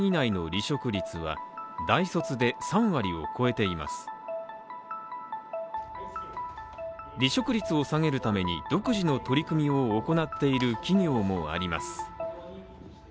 離職率を下げるために、独自の取り組みを行っている企業もあります。